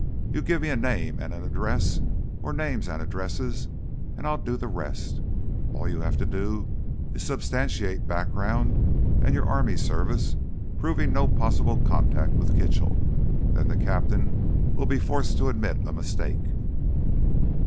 You give me a name and address—or names and addresses—and I'll do the rest. All you have to do is substantiate background and your army service, proving no possible contact with Kitchell. Then the captain will be forced to admit a mistake."